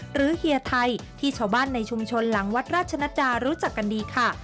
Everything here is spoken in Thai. เฮียไทยที่ชาวบ้านในชุมชนหลังวัดราชนัจจารู้จักกันดีค่ะ